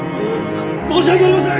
申し訳ありません！